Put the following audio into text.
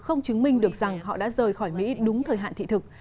không chứng minh được rằng họ đã rời khỏi mỹ đúng thời hạn thị thực